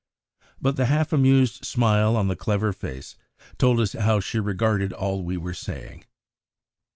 But the half amused smile on the clever face told us how she regarded all we were saying.